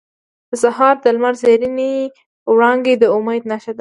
• د سهار د لمر زرینې وړانګې د امید نښه ده.